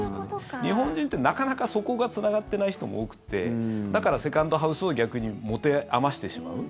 日本人ってなかなかそこがつながってない人も多くてだからセカンドハウスを逆に持て余してしまう。